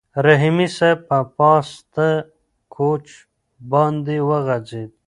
رحیمي صیب په پاسته کوچ باندې وغځېد.